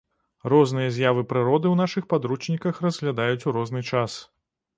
Розныя з'явы прыроды ў нашых падручніках разглядаюць у розны час.